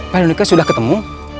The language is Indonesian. pak danika sudah ketemu